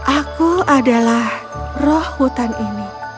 aku adalah roh hutan ini